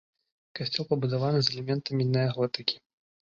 Касцёл пабудаваны з элементамі неаготыкі.